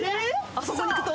あそこに行くと？